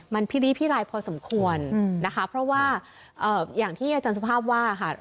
มันพิรีพิรายพอสมควรนะคะเพราะว่าอย่างที่อาจารย์สุภาพว่าค่ะ